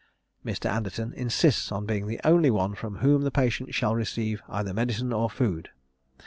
Mr. Anderton insists on being the only one from whom the patient shall receive either medicine or food.